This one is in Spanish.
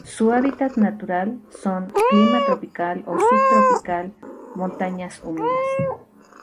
Su hábitat natural son: clima tropical o subtropical, montañas húmedas.